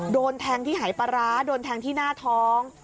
โดนแทงที่หายปลาร้าโดนแทงที่หน้าท้อง